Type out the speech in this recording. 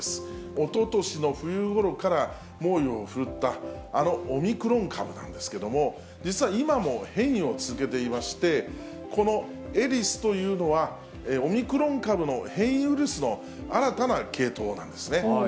おととしの冬ごろから猛威を振るった、あのオミクロン株なんですけども、実は今も変異を続けていまして、このエリスというのは、オミクロン株の変異ウイルスの新たな系統なんですね。